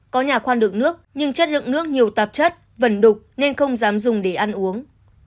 có nhà khoan được nước nhưng chất lượng nước nhiều tạp chất vẩn đục nên không dám dùng